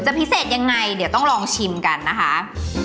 พิเศษยังไงเดี๋ยวต้องลองชิมกันนะคะ